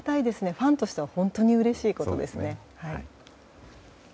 ファンとしては本当にうれしいことですね。